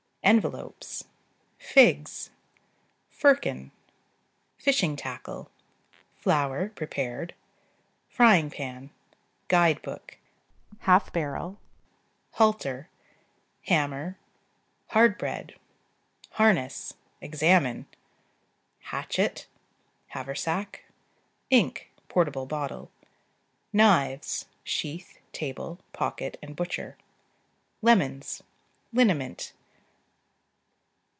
Envelopes. Figs. Firkin (see p. 48). Fishing tackle. Flour (prepared). Frying pan. Guide book. Half barrel. Halter. Hammer. Hard bread. Harness (examine!). Hatchet. Haversack. Ink (portable bottle). Knives (sheath, table, pocket and butcher.) Lemons. Liniment.